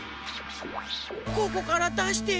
ここからだして。